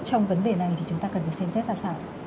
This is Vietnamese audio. thì chúng ta cần xem xét là sao